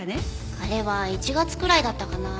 あれは１月くらいだったかな。